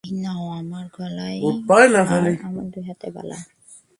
এই নাও আমার গলার হার, আমার দু-হাতের বালা।